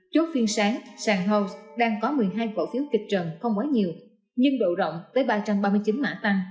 chốt phiên sáng sàn house đang có một mươi hai cổ phiếu kịch trần không quá nhiều nhưng độ rộng tới ba trăm ba mươi chín mã tăng